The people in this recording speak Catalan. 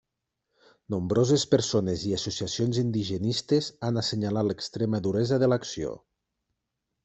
Nombroses persones i associacions indigenistes han assenyalat l'extrema duresa de l'acció.